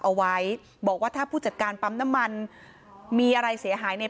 เอาไว้บอกว่าถ้าผู้จัดการปั๊มน้ำมันมีอะไรเสียหายใน